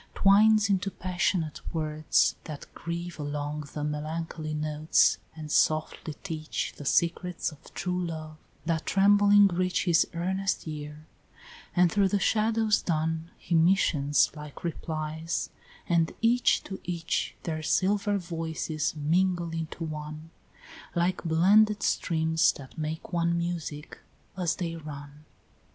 Twines into passionate words that grieve along The melancholy notes, and softly teach The secrets of true love, that trembling reach His earnest ear, and through the shadows dun He missions like replies, and each to each Their silver voices mingle into one, Like blended streams that make one music as they run.